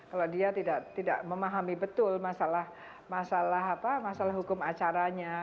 kalau dia tidak memahami betul masalah hukum acaranya